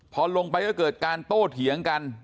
พอลงไปก็เกิดการโต้เถียงกัน